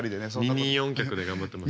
二人四脚で頑張ってます。